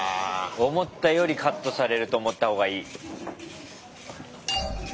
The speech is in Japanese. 思ったよりカットされると思ったほうがいい。